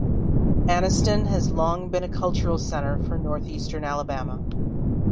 Anniston has long been a cultural center for northeastern Alabama.